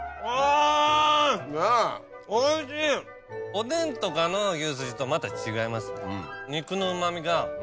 おでんとかの牛筋とまた違いますね。